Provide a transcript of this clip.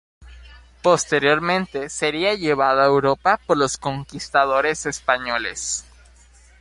Posteriormente sería llevado a Europa por los conquistadores españoles.